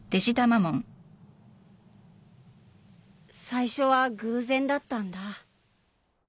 最初は偶然だったんだ。